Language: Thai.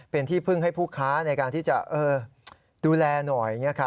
เป็นที่พึ่งให้ผู้ค้าในการที่จะดูแลหน่อย